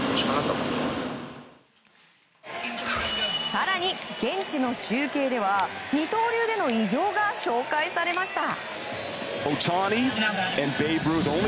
更に、現地の中継では二刀流での偉業が紹介されました。